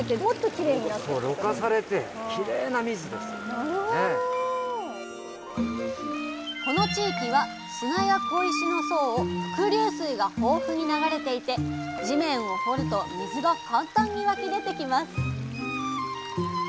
まずはこの地域は砂や小石の層を伏流水が豊富に流れていて地面を掘ると水が簡単に湧き出てきます